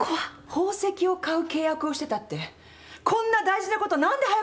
宝石を買う契約をしてたってこんな大事なこと何で早く言わなかったの！